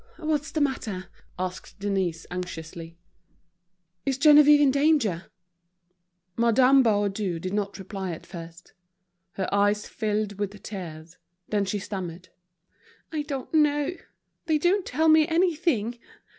"What's the matter?" asked Denise, anxiously. "Is Geneviève in danger?" Madame Baudu did not reply at first. Her eyes filled with tears. Then she stammered: "I don't know; they don't tell me anything.